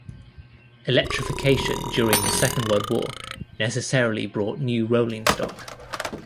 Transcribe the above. Electrification during the Second World War necessarily brought new rolling stock.